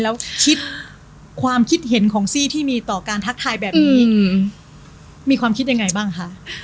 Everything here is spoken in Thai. แล้วคิดความคิดเห็นของซี่ที่มีต่อการทักทายแบบนี้มีความคิดยังไงบ้างคะ